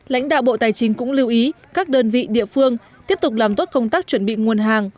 lãnh đạo bộ tài chính cũng lưu ý các đơn vị địa phương tiếp tục làm tốt công tác chuẩn bị nguồn hàng